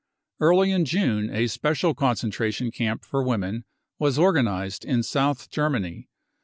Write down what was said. Early in June a special con centration camp for women was organised in South Ger many.